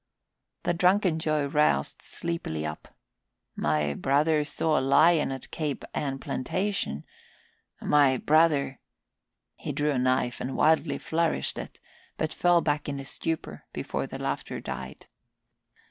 The drunken Joe roused sleepily up. "My brother saw a lion at Cape Ann plantation. My brother " He drew a knife and wildly flourished it, but fell back in a stupor before the laughter died.